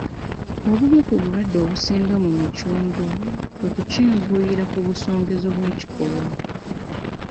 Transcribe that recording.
Obumu ku bulwadde obusinga mu micungwa kwe kukyenvuyiira ku busongezo bw'ebikoola.